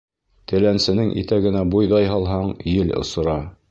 Теләнсенең итәгенә бойҙай һалһаң, ел осора.